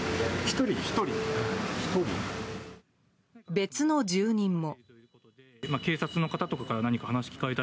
別の住人も。